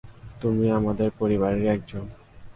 তুমি আমাদের পরিবারেরই একজন।